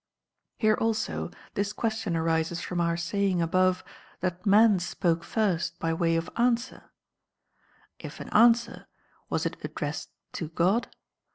* Plere also thi question ar'ocs from our saying above that man spoke first by way of answer : If an answer, was it addressed to God